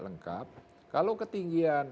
lengkap kalau ketinggian